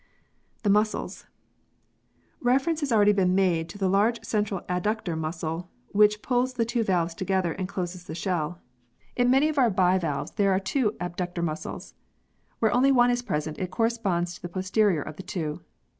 The Muscles. Reference has already been made to the large central adductor muscle which pulls the two valves together and closes the shell. In many of our 30 PEARLS [CH. bivalves there are two adductor muscles. Where one only is present, it corresponds to the posterior of the two.